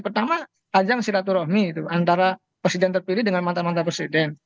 pertama ajang silaturahmi itu antara presiden terpilih dengan mantan mantan presiden